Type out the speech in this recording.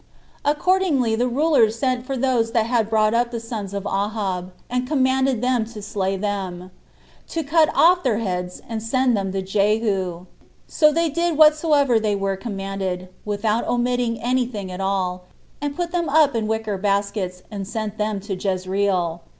Accordingly the rulers sent for those that brought up the sons of Ahab, and commanded them to slay them, to cut off their heads, and send them to Jehu. So they did whatsoever they were commanded, without omitting any thing at all, and put them up in wicker baskets, and sent them to Jezreel.